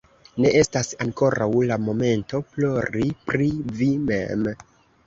Ne estas ankoraŭ la momento, plori pri vi mem.